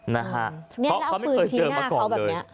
นะฮะเขาไม่เคยเจอมาก่อนเลย